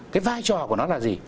cái vai trò của nó là gì